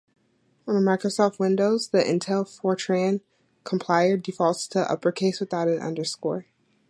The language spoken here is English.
On Microsoft Windows, the Intel Fortran compiler defaults to uppercase without an underscore.